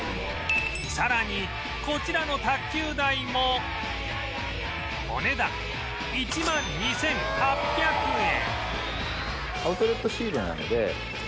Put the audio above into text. さらにこちらの卓球台もお値段１万２８００円